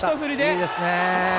いいですね。